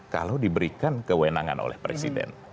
kalau diberikan kewenangan oleh presiden